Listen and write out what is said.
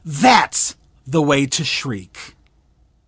That's the way to shriek."